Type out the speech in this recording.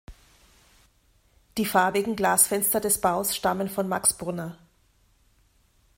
Die farbigen Glasfenster des Baus stammen von Max Brunner.